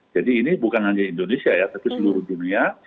jadi ini bukan hanya indonesia ya tapi seluruh dunia